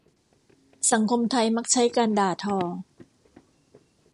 สังคมไทยมักใช้การด่าทอ